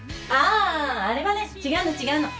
あれはね違うの違うの。